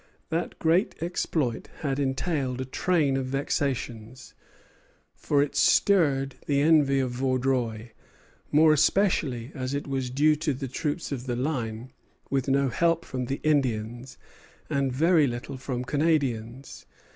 That great exploit had entailed a train of vexations, for it stirred the envy of Vaudreuil, more especially as it was due to the troops of the line, with no help from Indians, and very little from Canadians.